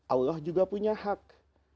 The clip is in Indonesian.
allah juga punya hak